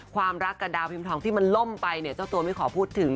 ความรักกับดาวพิมพ์ทองที่มันล่มไปเนี่ยเจ้าตัวไม่ขอพูดถึง